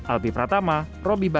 albi pratama robi bacar